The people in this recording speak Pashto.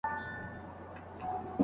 بیت المال باید د بېوزلو برخه هېره نه کړي.